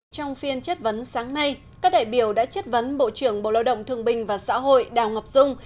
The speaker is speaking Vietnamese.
trong phiên chất vấn sáng nay các đại biểu đã chất vấn bộ trưởng bộ lao động thương bình và xã hội đào ngọc dung